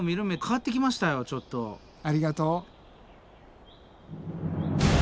ありがとう。